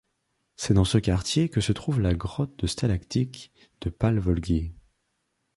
C'est dans ce quartier que se trouve la Grotte de stalactite de Pálvölgy.